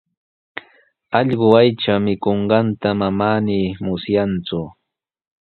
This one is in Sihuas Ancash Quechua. Allqu aycha mikunqanta manami musyaaku.